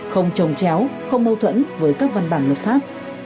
không trồng chéo không mâu thuẫn với các văn bản luật khác